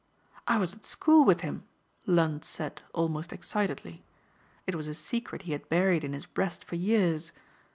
"I was at school with him," Lund said almost excitedly. It was a secret he had buried in his breast for years.